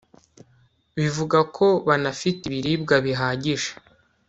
bivuga ko banafite ibiribwa bihagije